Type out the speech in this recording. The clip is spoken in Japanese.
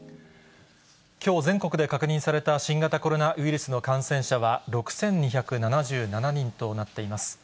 きょう、全国で確認された新型コロナウイルスの感染者は６２７７人となっています。